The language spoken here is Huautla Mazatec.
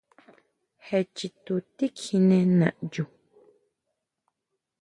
¿Jé chitu tikjiné naʼyu?